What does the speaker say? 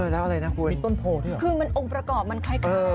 แล้วอะไรนะคุณคือมันองค์ประกอบมันคล้าย